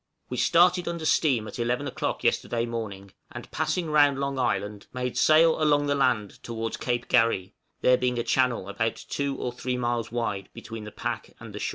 We started under steam at eleven o'clock yesterday morning, and, passing round Long Island, made sail along the land towards Cape Garry, there being a channel about 2 or 3 miles wide between the pack and the shore.